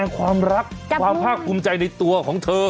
กลับลอง